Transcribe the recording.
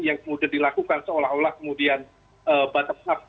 yang kemudian dilakukan seolah olah kemudian bottom up